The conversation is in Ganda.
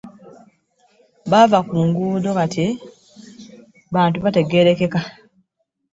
Baava ku nguudo kati bantu abategeerekeka.